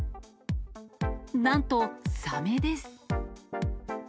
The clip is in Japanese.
なんとサメです。